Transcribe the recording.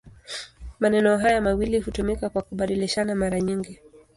Maneno haya mawili hutumika kwa kubadilishana mara nyingi.